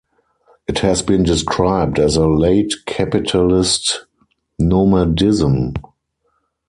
It has been described as a "late capitalist nomadism".